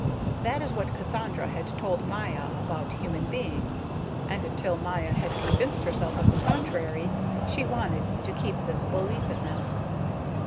That is what Cassandra had told Maya about human beings, and until Maya had convinced herself of the contrary, she wanted to keep this belief in them.